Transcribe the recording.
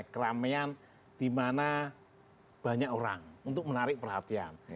keramaian di mana banyak orang untuk menarik perhatian